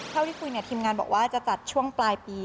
เท่าที่คุยเนี่ยทีมงานบอกว่าจะจัดช่วงปลายปี